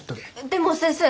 でも先生。